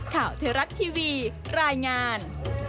ข้าวเทรรัจทีวีรายงาน